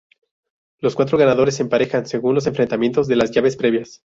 Los cuatro ganadores se emparejan según los enfrentamientos de las llaves previas.